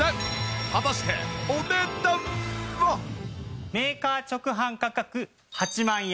果たしてメーカー直販価格８万円。